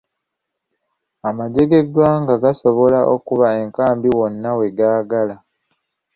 Amagye g'eggwanga gasobola okukuba enkambi wonna we gaagala.